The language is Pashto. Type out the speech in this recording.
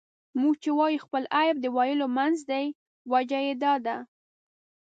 موږ چې وايو خپل عيب د ولیو منځ دی، وجه یې دا ده.